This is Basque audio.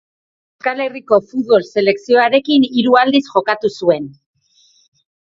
Euskal Herriko futbol selekzioarekin hiru aldiz jokatu zuen.